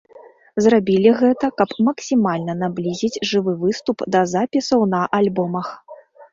Зрабілі гэта, каб максімальна наблізіць жывы выступ да запісаў на альбомах.